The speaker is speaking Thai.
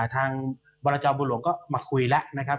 ทางบรจบนหลวงก็มาคุยแล้วนะครับ